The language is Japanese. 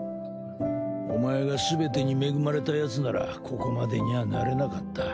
お前がすべてに恵まれたヤツならここまでにゃあなれなかった。